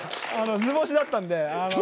図星だったのか。